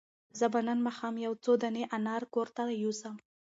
زه به نن ماښام یو څو دانې انار کور ته یوسم.